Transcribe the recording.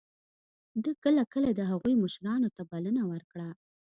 ده کله کله د هغوی مشرانو ته بلنه ورکړه.